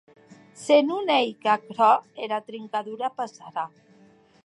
Se non ei qu’aquerò, era trincadura passarà.